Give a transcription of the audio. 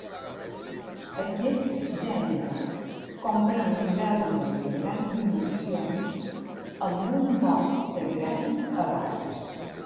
Aquest gènere comprèn libèl·lules de grans dimensions amb un vol de gran abast.